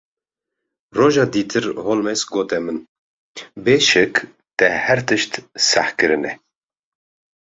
Roja dîtir Holmes gote min: Bêşik te her tişt seh kirine.